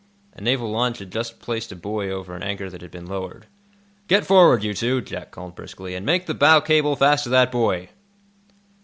A naval launch had just placed a buoy over an anchor that had been lowered. "Get forward, you two," Jack called briskly, "and make the bow cable fast to that buoy."